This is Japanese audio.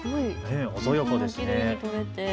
鮮やかですね。